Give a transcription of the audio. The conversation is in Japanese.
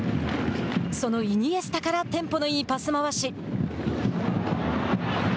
そのイニエスタからテンポのいいパス回し。